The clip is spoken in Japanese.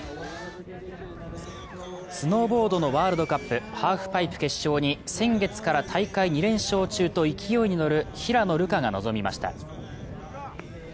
スノーボードのワールドカップハーフパイプ決勝に先月から大会２連勝中と勢いに乗る平野流佳が臨みました。